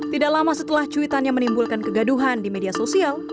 tidak lama setelah cuitannya menimbulkan kegaduhan di media sosial